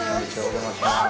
お邪魔します。